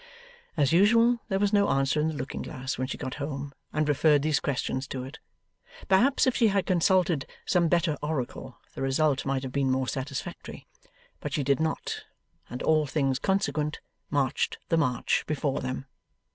As usual, there was no answer in the looking glass when she got home and referred these questions to it. Perhaps if she had consulted some better oracle, the result might have been more satisfactory; but she did not, and all things consequent marched the march before them.